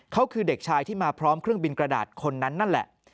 เขาคือเด็กชายที่มาพร้อมเครื่องบินกระดาษคนนั้นนั่นแหละ